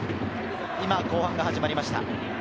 今後半が始まりました。